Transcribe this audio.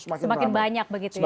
semakin banyak begitu ya